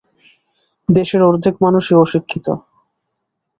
দেশের অর্ধেক মানুষই অশিক্ষিত।